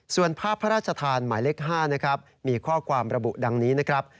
ส่วนภาพพระราชทานหมายเลข๕นะครับมีข้อความระบุดังนี้นะครับ